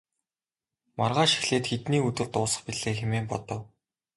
Маргааш эхлээд хэдний өдөр дуусах билээ хэмээн бодов.